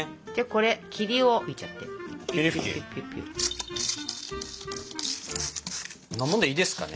こんなもんでいいですかね？